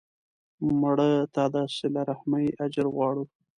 مړه ته د صله رحمي اجر غواړو